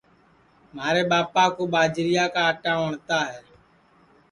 مھارے ٻاپا کُوٻاجریا کا آٹا وٹؔتا ہے